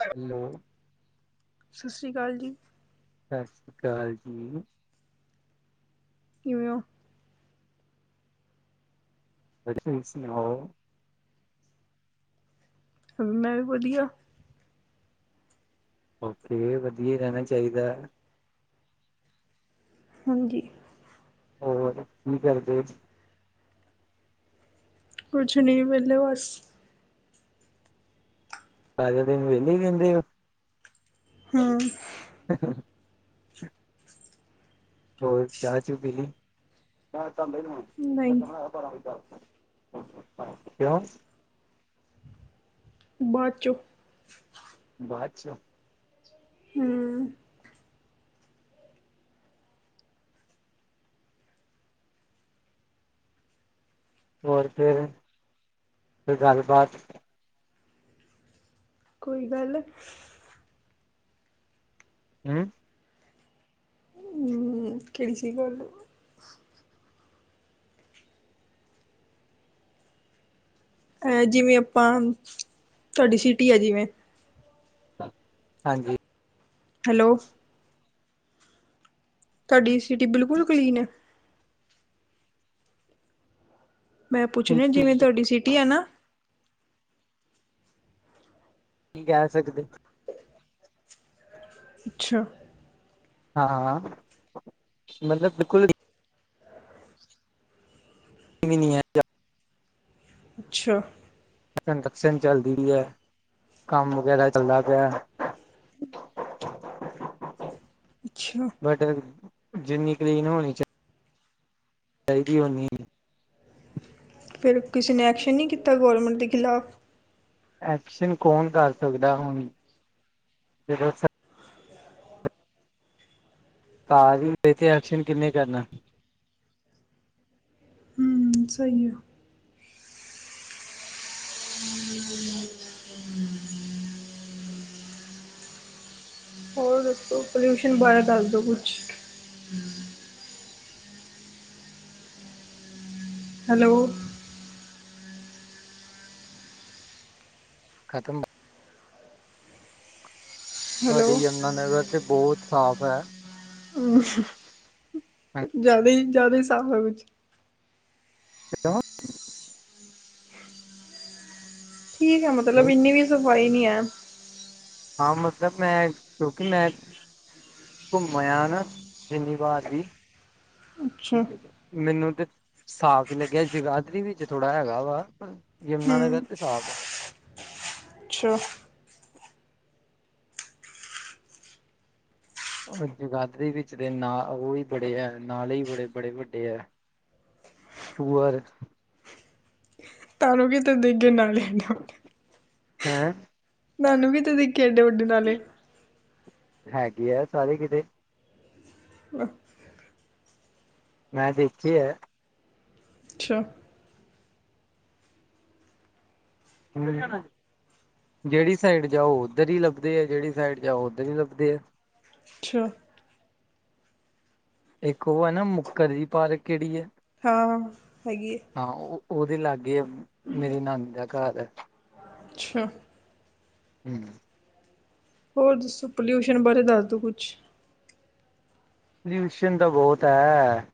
Hello. ਸਤਿ ਸ਼੍ਰੀ ਅਕਾਲ ਜੀ। ਸਤਿ ਸ਼੍ਰੀ ਅਕਾਲ ਜੀ। ਕਿਵੇਂ ਹੋ? ਬੈਠੇ ਸੀ। ਮੈਂ ਵੀ ਵਧੀਆ। ਓਕੇ, ਵਧੀਆ ਰਹਿਣਾ ਚਾਹੀਦਾ। ਹਾਂਜੀ। ਹੋਰ ਕੀ ਕਰਦੇ ਜੀ? ਕੁਛ ਨਹੀਂ, ਵੇਲੇ ਬਸ। ਸਾਰਾ ਦਿਨ ਵਿਹਲੇ ਰਹਿੰਦੇ ਹੋ। ਹਮ ਹੋਰ ਚਾਹ ਚੂ ਪੀਲੀ ਨਹੀਂ [unintelligible] ਕਿਉਂ। ਬਾਆਦ ਚੋ ਬਾਅਦ ਚੋ ਹਮ। ਹੋਰ ਫੇਰ ਕੋਈ ਗੱਲਬਾਤ ਕੋਈ ਗੱਲ ਹਮ। ਹਮ, ਕਿਹੜੀ ਚੀਜ ਬੋਲੁ ਏ ਜਿਵੇਂ ਆਪਾਂ, ਤੁਹਾਡੀ ਸਿਟੀ ਆ ਜਿਵੇਂ ਹਾਂਜੀ। ਹੈਲੋ ਤੁਹਾਡੀ ਸਿਟੀ ਬਿਲਕੁਲ ਕਲੀਨ ਹੈ? ਮੈਂ ਪੁੱਛਣਾ ਜਿਵੇਂ ਕੀ ਤੁਹਾਡੀ ਸਿਟੀ ਆ ਨਾ? ਕੀ ਕੇ ਕਹਿ ਸਕਦੇ ਹੋ ਅੱਛਾ। ਹਾਂ, ਮਤਲਬ ਬਿਲਕੁਲ ਨੀ। ਵੀ ਨੀ ਹੈ ਅੱਛਾ। ਕੰਟਰਕਸ਼ਨ ਚੱਲਦੀ ਪਈ ਐ, ਕੰਮ ਵਗੈਰਾ ਚੱਲਦਾ ਪਇਆ- ਅੱਛਾ। ਬਟ ਜਿੰਨੀ ਕਲੀਨ ਹੋਣੀ ਚਾਹੀ ਚਾਹੀਦੀ, ੳਨੀ ਨੀ ਹੈ ਫਿਰ ਕਿਸੇ ਨੇ ਐਕਸ਼ਨ ਨਹੀਂ ਕੀਤਾ ਗੌਰਮੈਂਟ ਦੇ ਖਿਲਾਫ? ਐਕਸ਼ਨ ਕੌਣ ਕਰ ਸਕਦਾ ਹੁਣ, ਜਦੋਂ ਸਰਕਾਰ ਤਾਂ ਤੇ ਐਕਸ਼ਨ ਕਿੰਨੇ ਕਰਨਾ। ਹਮ ਸਹੀ ਹੈ। ਹੋਰ ਦੱਸੋ, ਪੋਲਿਊਸ਼ਨ ਬਾਰੇ ਦਾਸਦੋ ਕੁਛ। ਹੈਲੋ। ਖਤਮ। ਹੈਲੋ ਤੁਹਾਡੇ ਯਮੁਨਾਾਨਗਰ ਤੇ ਬਹੁਤ ਸਾਫ਼ ਹੈ। ਹਮ ਜਿਆਦਾ ਜ਼ਿਆਦਾ ਸਾਹ ਵਿਚ ਹੇਲੋ ਠੀਕ ਹੈ ਮਤਲਬ ਨਹੀਂ ਇੰਨੀ ਵੀ ਸਫਾਈ ਨਹੀਂ ਹੈ। ਹਾਂ ਮਤਲਬ ਮੈਂ ਕਿਉਂਕਿ ਮੈਂ ਘੁੰਮਿਆ ਨਾ ਜਿੰਨੀ ਵਾਰ ਵੀ ਅੱਛਾ ਮੈਨੂੰ ਤੇ ਸਾਫ਼ ਹੀ ਲੱਗਿਆ ਜਗਾਦਰੀ ਵਿੱਚ ਥੋੜਾ ਹੈਗਾ ਵਾ। ਯਮਨਾ ਨਗਰ ਤੇ ਸਾਫ ਹੈ। ਚਾ ਉਹ ਜਗਾਦਰੀ ਵਿੱਚ ਦੇ ਨਾ ਉਹ ਵੀ ਬੜੇ ਹੈ ਨਾਲੇ ਹੀ ਬੜੇ ਬੜੇ ਵੱਡੇ ਹੈ ਪੂਵਰ ਤੁਹਾਨੂੰ ਕਿੱਥੇ ਦਿੱਖ ਗਏ ਨਾਲੇ ਹੈਂ ਤੁਹਾਨੂੰ ਕਿੱਥੇ ਦਿੱਖ ਗਏ ਏਡੇ ਵੱਡੇ ਨਾਲੇ ਹੈਗੀ ਆ ਸਾਰੇ ਕਿਤੇ ਮੈਂ ਦੇਖੇ ਹੈ ਅੱਛਾ ਮਿਲ ਜਾਣਾ ਜਿਹੜੀ ਸਾਈਡ ਜਾਓ ਉੱਧਰ ਹੀ ਲੱਭਦੇ ਆ ਜਿਹੜੀ ਸਾਈਡ ਜਾਓ ਉੱਧਰ ਹੀ ਲੱਭਦੇ ਆ। ਛਾ। ਇੱਕ ਉਹ ਹੈ ਨਾ ਮੁੱਕਰ ਦੀ ਪਾਰਕ ਕਿਹੜੀ ਹੈ। ਹਾਂ ਹੈਗੀ ਏ। ਹਾਂ ਉਹਦੇ ਲਾਗੇ ਮੇਰੀ ਨਾਨੀ ਦਾ ਘਰ ਹੈ। ਛਾ। ਹਮ। ਹੋਰ ਦੱਸ ਪੋਲਿਊਸ਼ਨ ਬਾਰੇ ਦੱਸ ਦਿਉ ਕੁਛ? ਪੋਲਿਊਸ਼ਨ ਤਾਂ ਬਹੁਤ ਹੈ।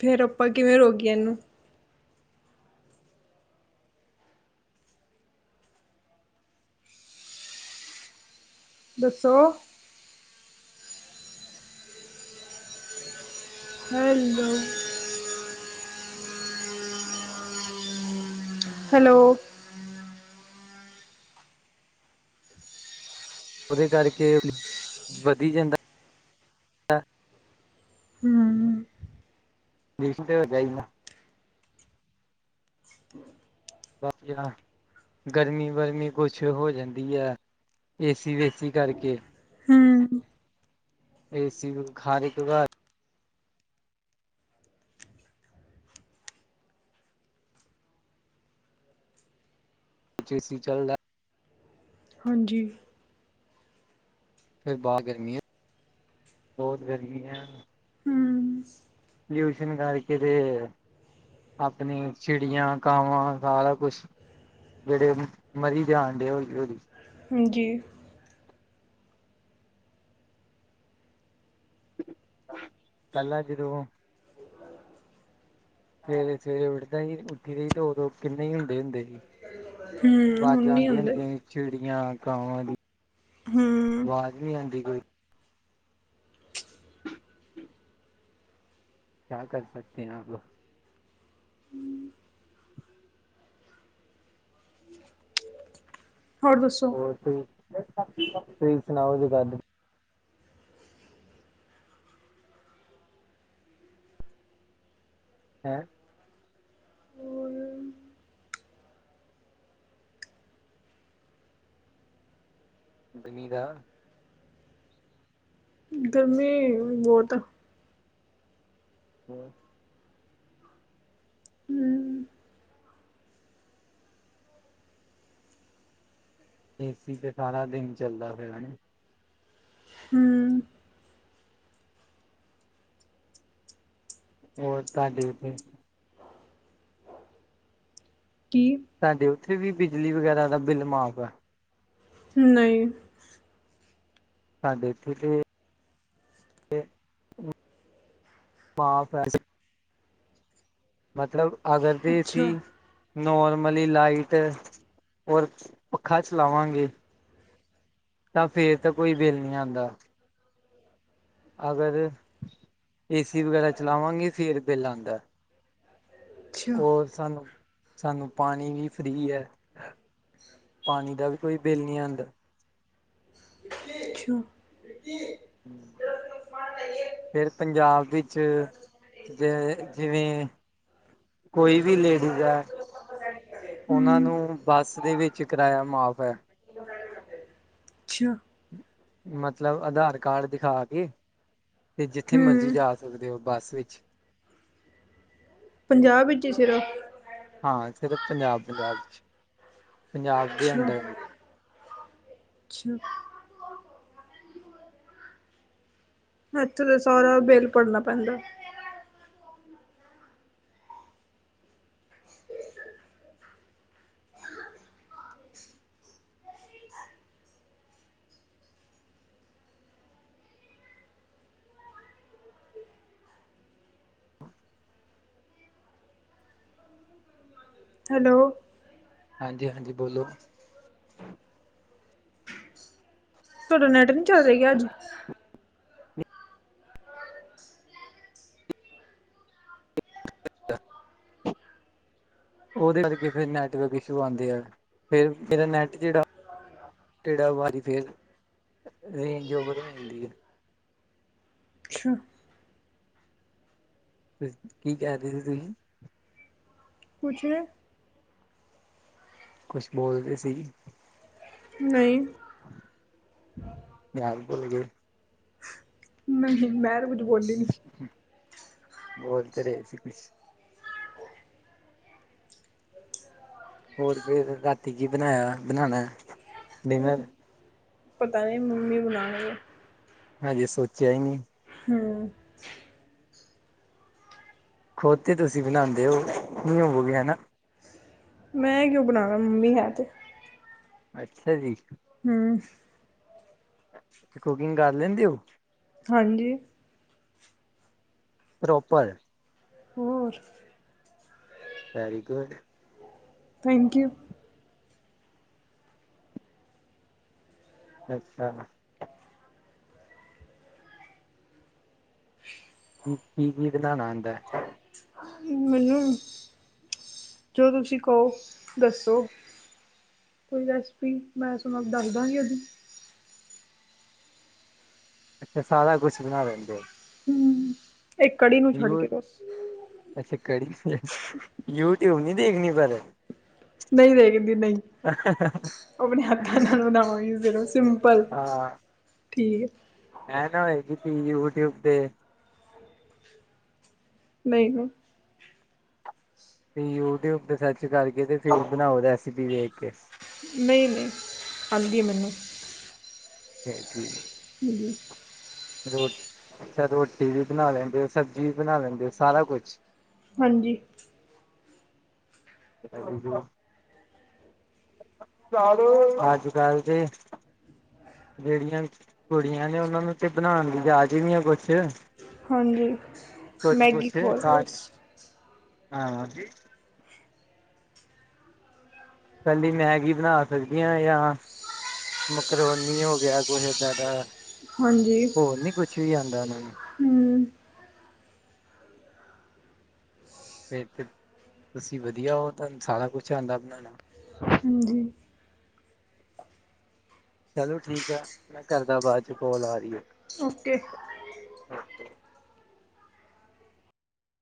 ਫੇਰ ਆਪਾਂ ਕਿਵੇਂ ਰੋਗੀਏ ਇਹਨੂੰ‌‍‌? ਦੱਸੋ? ਹੈਲੋ। ਹੈਲੋ। ਉਹਦੇ ਕਰਕੇ ਵਧੀ ਜਾਂਦਾ ਹਮ ਦੇਖ ਤੇ ਹੋ ਜਾਹੀਦਾ। ਬਾਕੀ ਗਰਮੀ ਵਰਮੀ ਕੁਛ ਹੋ ਜਾਂਦੀ ਐ ਏਸੀ ਵੇਸੀ ਕਰਕੇ ਹਮ ਏਸੀ ਨੂੰ ਖਾਸ਼ ਕੇ ਬਾਅਦ ਐਸੀ ਚੱਲਦਾ ਹਾਂਜੀ ਫਿਰ ਬਾ ਗਰਮੀ ਹੈ ਬਹੁਤ ਗਰਮੀ ਹੈ। ਹਮ ਲਊਸ਼ਨ ਕਰਕੇ ਤੇ ਆਪਣੀ ਚਿੜੀਆਂ ਕਾਵਾਂ ਸਾਰਾ ਕੁਛ ਜਿਹੜੇ ਮਰੀ ਜਾਣ ਦੇ ਹੌਲੀ ਹੌਲੀ। ਹਾਂਜੀ ਪਹਿਲਾ ਜਦੋਂ ਸਵੇਰੇ ਸਵੇਰੇ ਉਠਦੇ ਹੀ ਉੱਠੀ ਦੇ ਉਦੋਂ ਕਿੰਨੇ ਹੀ ਹੁੰਦੇ ਹੁੰਦੇ ਹੀ। ਹਮ ਹੁਣ ਵਾਜ਼ਾਂ ਨੀ ਆਉਂਦੀਆਂ ਆਉਂਦੇ ਹੁੰਦੀਆਂ ਹੀ ਚਿੜੀਆਂ ਕਾਵਾਂ ਦੀ ਹਮ ਆਵਾਜ਼ ਨੀ ਆਉਂਦੀ ਕੋਈ ਕਿਆ ਕਰ ਸਕਤੇ ਹੈ ਆਪ ਹੋਰ ਦੱਸੋ ਠੀਕ ਤੁਸੀ ਸੁਣਾਓ ਕੋਈ ਗੱਲ ਹੈਂ। ਬਣੀ ਦਾ ਗਰਮੀ ਬਹੁਤ ਆ। ਹੂੰ। ਹੂੰ, ਏ ਸੀ ਤੇ ਸਾਰਾ ਦਿਨ ਚੱਲਦਾ ਬੇਆ ਏ। ਹੂੰ। ਹੋਰ ਤੁਹਾਡੇ ਉੱਥੇ ਕੀ? ਸਾਡੇ ਉੱਥੇ ਵੀ ਬਿਜਲੀ ਵਗੈਰਾ ਦਾ ਬਿੱਲ ਮਾਫ਼ ਆ? ਨਹੀਂ। ਸਾਡੇ ਏਥੇ ਤੇ ਮਾਫ਼ ਹੈ। ਮਤਲਬ ਅਗਰ ਦੇ ਸੀ ਅੱਛਾ, ਨੋਰਮਲੀ ਲਾਈਟ ਔਰ ਪੱਖਾ ਚਲਾਵਾਂਗੇ ਤਾਂ ਫੇਰ ਤੇ ਕੋਈ ਬਿੱਲ ਨਹੀਂ ਆਉਂਦਾ। ਅਗਰ ਏ ਸੀ ਵਗੈਰਾ ਚਲਾਵਾਂਗੇ, ਫੇਰ ਬਿੱਲ ਆਂਦਾ ਏ। ਅੱਛਾ, ਔਰ ਸਾਨੂੰ, ਸਾਨੂੰ ਪਾਣੀ ਵੀ ਫ੍ਰੀ ਹੈ। ਪਾਣੀ ਦਾ ਵੀ ਕੋਈ ਬਿੱਲ ਨਹੀਂ ਆਂਦਾ। ਅੱਛਾ। ਤੇ ਹੂੰ। ਫੇਰ ਪੰਜਾਬ ਵਿੱਚ, ਜ ਜਿਵੇਂ ਕੋਈ ਵੀ ਲੇਡੀਜ਼ ਹੈ [unintelligible] ਉਹਨਾਂ ਹੂੰ, ਨੂੰ ਬੱਸ ਦੇ ਵਿੱਚ ਕਿਰਾਇਆ ਮਾਫ਼ ਹੈ। ਅੱਛਾ। ਮਤਲਬ ਆਧਾਰ ਕਾਰਡ ਦਿਖਾ ਕੇ, ਤੇ ਜਿੱਥੇ ਮਰਜ਼ੀ ਹੂੰ ਜਾ ਸਕਦੇ ਹੋ ਬੱਸ ਵਿੱਚ। ਪੰਜਾਬ ਵਿੱਚ ਈ ਸਿਰਫ? ਹਾਂ ਸਿਰਫ ਪੰਜਾਬ-ਪੰਜਾਬ ਚ, ਪੰਜਾਬ ਦੇ ਅੰਡਰ। ਅੱਛ ਏਥੇ ਤਾਂ ਸਾਰਾ ਬਿੱਲ ਭਰਨਾ ਪੈਂਦਾ। ਹੈਲੋ। ਹਾਂਜੀ-ਹਾਂਜੀ, ਬੋਲੋ। ਤੁਹਾਡਾ ਨੈੱਟ ਨੀ ਚੱਲ ਰੇਆ ਕੇ ਅੱਜ? [unintelligible] ਉਹਦੇ ਕਰਕੇ ਫਿਰ ਨੈਟਵਰਕ ਇਸ਼ੂ ਆਉਂਦੇ ਐ, ਫੇਰ, ਫੇਰ ਏਹ ਨੈੱਟ ਜੇਅੜਾ ਕਿਹੜਾ ਵ ਵਾਰੀ ਫੇਰ, ਰੇਂਜ ਓਵਰ ਹੋ ਜਾਂਦੀ ਹੈ। ਅੱਛਾ, ਕੀ ਕੇਹ ਰਏ ਸੀ ਤੁਸੀਂ? ਕੁਛ ਨ ਕੁਛ ਬੋਲਦੇ ਸੀ। ਨਈ। ਯਾਦ ਭੁੱਲ ਗਏ? ਨਹੀਂ, ਮੈਂ ਤੇ ਕੁੱਝ ਬੋਲੀ ਨੀ। ਬੋਲ ਤੇ ਰਹੇ ਸੀ ਕੁਛ? ਹੋਰ ਫਿਰ ਰਾਤੀ ਕੀ ਬਣਾਇਆ? ਬਣਾਉਣਾ ਏ, ਡਿਨਰ? ਪਤਾ ਨਹੀਂ, ਮੰਮੀ ਬਣਾਣਗੇ। ਹਜੇ ਸੋਚਿਆ ਈ ਨਈ? ਹੂੰ। ਖੋਦ ਤੇ ਤੁਸੀਂ ਬਣਾਉਂਦੇ ਹੋ, ਨੀ ਹੋਵੋਗੇ ਹਨਾ? ਮੈਂ ਕਿਉਂ ਬਣਾਨਾ? ਮੰਮੀ ਹੈ ਤੇ। ਅੱਛਾ ਜੀ। ਹੂ,,, ਕੁਕਿੰਗ ਕਰ ਲੈਂਦੇ ਉਹ ਹਾਂਜੀ। ਪ੍ਰੋਪਰ। ਹੋਰ। Very good. ਥੈਂਕਯੂ। ਅੱਛਾ। ਕੀ ਕੀ ਬਣਾਉਣਾ ਆਉਂਦਾ। ਮੈਨੂੰ ਜੋ ਤੁਸੀਂ ਕਹੋ ਦੱਸੋ? ਕੋਈ ਰੈਸਪੀ ਮੈਂ ਸੁਣਿਆ ਦੱਸ ਦਾਂਗੀ ਉਹਦੀ ਅੱਛਾ ਸਾਰਾ ਕੁਛ ਬਣਾ ਦਿੰਦੇ ਹੋ ਹੂ ਇੱਕ ਕੜੀ ਨੂੰ ਛੱਡ ਯੂ ਕੇ ਬਸ ਅੱਛਾ ਕੜੀ ਤੇ ਯੂਟਿਊਬ ਨੀ ਦੇਖਣੀ ਪਰ ਨਹੀਂ ਵੇਖ ਦੀ ਨਹੀਂ ਆਪਣੇ ਹੱਥਾਂ ਨਾਲ ਉਨਾ ਵਾਹੀ ਸਿੰਪਲ ਠੀਕ ਹੈ। ਹੈ ਨਾ ਏਜੀਪੀ ਯੂਟਿਊਬ ਤੇ ਨਹੀਂ। ਯੂਟਿਊਬ ਤੇ ਸਰਚ ਕਰਕੇ ਤੇ ਫਿਰ ਬਣਾਓ ਰੈਸਪੀ ਦੇਖ ਕੇ। ਨਹੀਂ ਨਹੀਂ ਆਉਂਦੀ ਹੈ ਮੈਨੂੰ। ਹੈ ਕੀ ਹੂ,,, ਰੋਜ਼ ਅੱਛਾ ਰੋਟੀ ਵੀ ਬਣਾ ਲੈਂਦੇ ਸਬਜ਼ੀ ਵੀ ਬਣਾ ਲੈਂਦੇ ਸਾਰਾ ਕੁਛ ਹਾਂਜੀ। [unintelligible] ਅੱਜ ਕੱਲ ਦੇ ਜਿਹੜੀਆਂ ਕੁੜੀਆਂ ਨੇ ਉਹਨਾਂ ਨੂੰ ਤੇ ਬਣਾਉਣ ਦੀ ਜਾਂਚ ਨਹੀਂ ਕੁਛ। ਹਾਂਜੀ ਕੁਛ ਮੈਗੀ ਕੁਛ ਖੋਲ ਕੇ ਬਸ ਹਾਂ ਕੱਲੀ ਮੈਗੀ ਬਣਾ ਸਕਦੀ ਹਾਂ ਜਾਂ ਮਕਰੋਨੀ ਹੋ ਗਿਆ ਕੁਛ ਇਦਾਂ ਦਾ ਹੋਰ ਨੀ ਕੁਛ ਵੀ ਆਉਂਦਾ ਉਹਨਾ ਨੂੰ ਹੂ,,, ਫਿਰ ਤੇ ਤੁਸੀਂ ਵਧੀਆ ਹੋ ਤੁਹਾਨੂੰ ਸਾਰਾ ਕੁਛ ਆਉਂਦਾ ਬਣਾਉਣਾ ਹਾਂਜੀ ਚਲੋ ਠੀਕ ਹੈ ਮੈਂ ਕਰਦਾ ਬਾਅਦ ਚ ਕੋਲ ਆ ਰਹੀ ਹੈ। ਓਕੇ